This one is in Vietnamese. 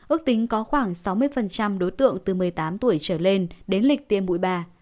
ước tính có khoảng sáu mươi đối tượng từ một mươi tám tuổi trở lên đến lịch tiêm bụi ba